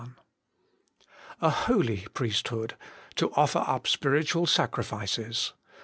A holy priesthood, to offer up spiritual sacrifices.